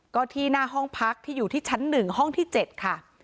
ก็ที่หน้าห้องพักที่อยู่ที่ชั้น๑ห้องที่๗ค่ะ